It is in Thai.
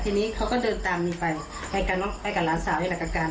ทีนี้เขาก็เดินตามนี้ไปไปกับหลานสาวนี่แหละกับการ